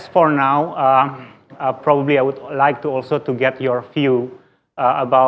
saya juga ingin mendapatkan pandangan anda